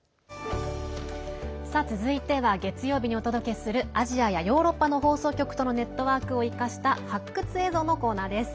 続いては月曜日にお届けするアジアやヨーロッパの放送局とのネットワークを生かした発掘映像のコーナーです。